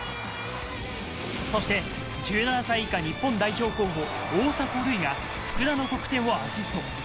そして１７歳以下日本代表候補・大迫塁が、福田の得点をアシスト。